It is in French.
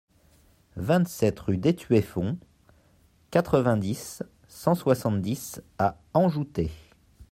vingt-sept rue d'Étueffont, quatre-vingt-dix, cent soixante-dix à Anjoutey